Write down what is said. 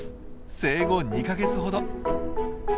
生後２か月ほど。